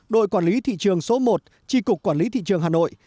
đội quản lý thị trường số một tri cục quản lý thị trường hà nội